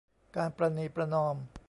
การประนีประนอม